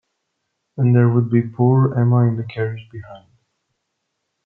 And there would be poor Emma in the carriage behind.